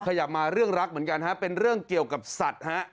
ขยับมาเรื่องรักเหมือนกันฮะเป็นเรื่องเกี่ยวกับสัตว์ฮะ